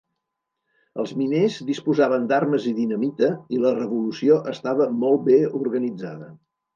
Els miners disposaven d'armes i dinamita, i la revolució estava molt bé organitzada.